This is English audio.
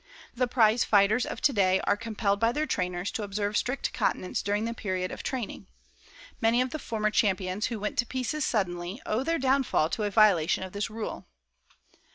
The prize fighters of today are compelled by their trainers to observe strict continence during the period of training. Many of the former champions who went to pieces suddenly, owe their downfall to a violation of this rule."